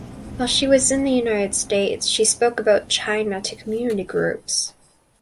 While she was in the United States she spoke about China to community groups.